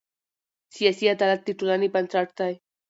سیاسي عدالت د ټولنې بنسټ دی